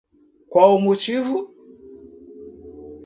Qual o motivo?